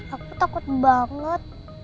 aku takut banget